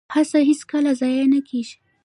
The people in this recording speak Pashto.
هڅه هیڅکله ضایع نه کیږي